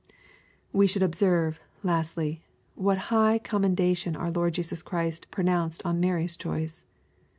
We should observe, lastly, what high commendation our Lord Jesus Christ pronounced on Mary's choice.